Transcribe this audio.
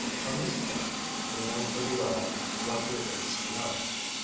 On this point, we know pretty well what there is to know.